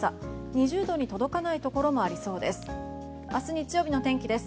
２０度に届かないところもありそうです。